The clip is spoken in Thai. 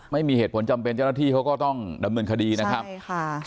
ไม่มีเหตุผลจำเป็นเจ้าหน้าที่เขาก็ต้องดำเนินคดีนะครับใช่ค่ะ